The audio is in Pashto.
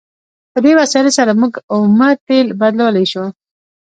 په دې وسایلو سره موږ اومه تیل بدلولی شو.